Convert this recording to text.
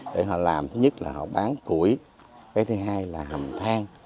để họ làm thứ nhất là họ bán củi cái thứ hai là hầm thang